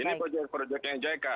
ini proyek proyeknya jeka